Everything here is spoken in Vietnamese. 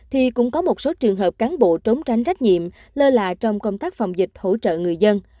thì cũng có một số trường hợp cán bộ trốn tránh trách nhiệm lơ là trong công tác phòng dịch hỗ trợ người dân